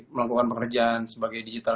melakukan pekerjaan sebagai digital